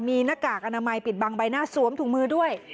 มีหน้ากากอนามัยปิดบังใบหน้าสวมถุงมือด้วย